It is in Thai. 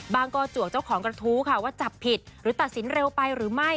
ก็จวกเจ้าของกระทู้ค่ะว่าจับผิดหรือตัดสินเร็วไปหรือไม่